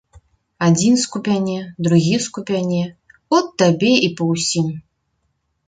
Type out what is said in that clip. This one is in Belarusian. Адзін скубяне, другі скубяне, от табе і па ўсім.